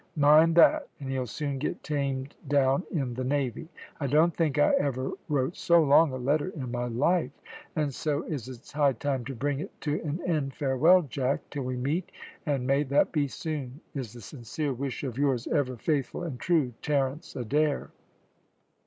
Mind that, and he'll soon get tamed down in the navy. I don't think I ever wrote so long a letter in my life, and so as it's high time to bring it to an end, farewell, Jack, till we meet, and may that be soon, is the sincere wish of, "Yours ever faithful and true, "TERENCE ADAIR."